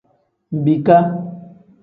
Mbiika.